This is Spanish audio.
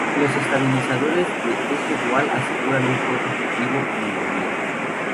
Los estabilizadores de eje dual aseguran un fuego efectivo en movimiento.